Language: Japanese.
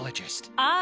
ああ。